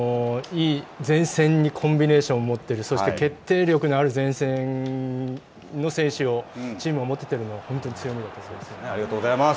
前線にコンビネーションを持っているそして決定力のある前線の選手をチームを持っているのは本当に強みだと思います。